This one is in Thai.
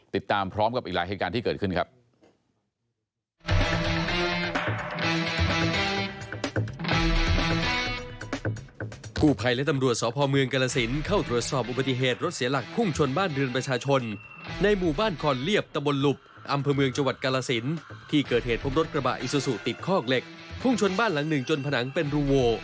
ติดตามพร้อมกับอีกหลายเหตุการณ์ที่เกิดขึ้นครับ